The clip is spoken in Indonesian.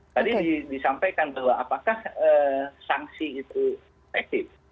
tadi disampaikan bahwa apakah sanksi itu efektif